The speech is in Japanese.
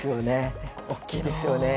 大きいですよね。